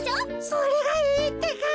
それがいいってか。